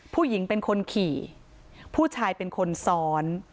ผู้หญิงเป็นคนขี่ผู้ชายเป็นคนซ้อน